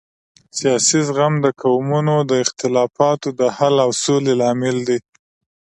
سیاسي زغم د قومونو د اختلافاتو د حل او سولې لامل دی